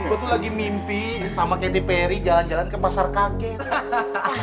gua tuh lagi mimpi sama kathy perry jalan jalan ke pasar kakek